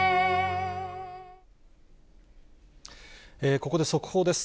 ここで速報です。